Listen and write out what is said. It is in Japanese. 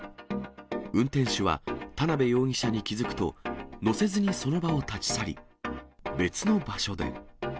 運転手は、田辺容疑者に気付くと、乗せずにその場を立ち去り、別の場所で。